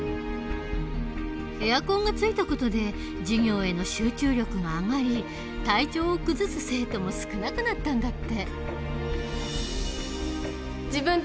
エアコンがついた事で授業への集中力が上がり体調を崩す生徒も少なくなったんだって。